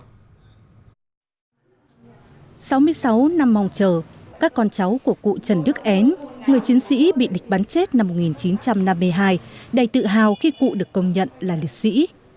sáu mươi sáu năm mong chờ các con cháu của cụ trần đức én người chiến sĩ bị địch bắn chết năm một nghìn chín trăm năm mươi hai đầy tự hào khi cụ được công nhận là liệt sĩ